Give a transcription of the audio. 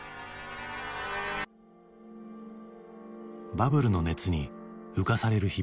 バブルの熱に浮かされる日々。